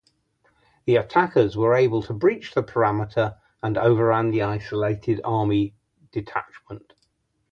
The attackers were able to breach the parameter and overran the isolated army detachment.